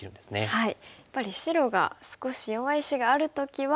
はい。